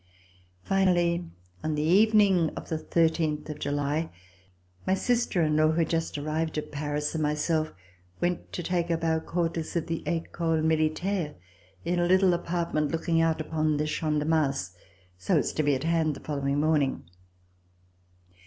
Finally on the evening of the thirteenth of July, my sister in law, who had just arrived at Paris, and myself went to take up our quarters at the Ecole Militaire, in a little apartment looking out upon the Champ de Mars, so as to be on hand the following morning.